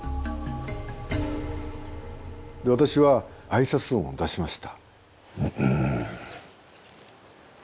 私はあいさつ音を出しました。